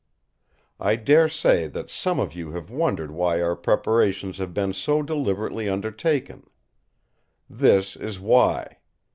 "I dare say that some of you have wondered why our preparations have been so deliberately undertaken. This is why!